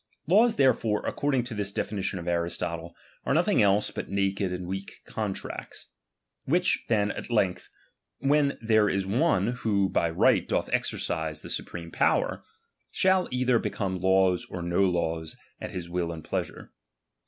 Laws therefore, according to this definition of Aristotle, are nothing else but naked and w eak contracts ; which then at length, when there is one who by right doth exercise the supreme power, shall either become laws or no laws at his will and pleasure.